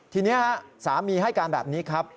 ทีนี้สามีให้การแบบนี้ครับ